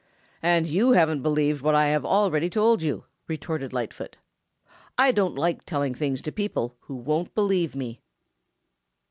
"And you haven't believed what I have already told you," retorted Lightfoot. "I don't like telling things to people who won't believe me."